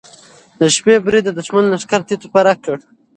د شپې برید د دښمن لښکر تیت و پرک کړ.